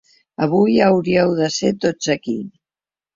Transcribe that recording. Avui hauríeu de ser tots aquí.